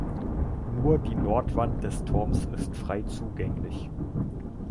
Nur die Nordwand des Turms ist frei zugänglich.